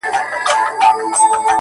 داده غاړي تعويزونه زما بدن خوري،